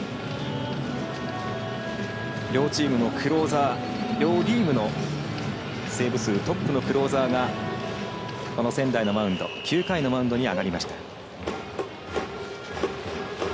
両チームのクローザー両リーグのセーブ数トップのクローザーがこの仙台の９回のマウンドに上がりました。